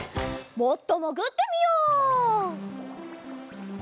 もっともぐってみよう。